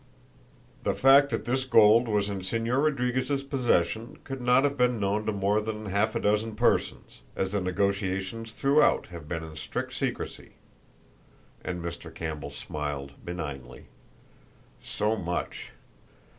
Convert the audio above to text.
"The fact that this gold was in Señor Rodriguez's possession could not have been known to more than half a dozen persons, as the negotiations throughout have been in strict secrecy," and Mr. Campbell smiled benignly. "So much!